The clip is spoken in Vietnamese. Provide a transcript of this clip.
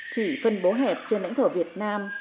chỉ phân bố hẹp trên ảnh thổ việt nam